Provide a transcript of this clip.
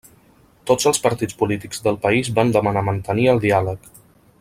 Tots els partits polítics del país van demanar mantenir el diàleg.